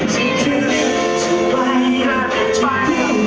ฉันจะรักคุณทุกคนมากครับผม